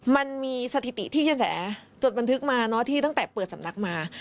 มันมีสถิติที่กระแสจดบันทึกมาที่ตั้งแต่เปิดสำนักมา